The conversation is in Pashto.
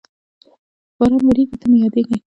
باران ورېږي، ته مې یادېږې